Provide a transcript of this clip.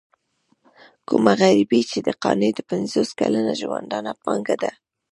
کومه غريبي چې د قانع د پنځوس کلن ژوندانه پانګه ده.